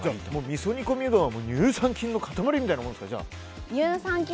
みそ煮込みうどんは乳酸菌の塊みたいな？